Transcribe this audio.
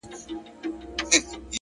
o ستا جدايۍ ته به شعرونه ليکم ـ